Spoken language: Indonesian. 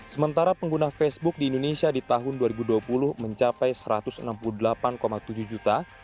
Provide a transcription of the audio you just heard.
sementara pengguna facebook di indonesia di tahun dua ribu dua puluh mencapai satu ratus enam puluh delapan tujuh juta